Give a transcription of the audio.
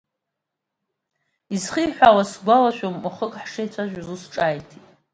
Изхиҳәааз сгәалашәом, уахык ҳшеицәажәоз, ус ҿааиҭит.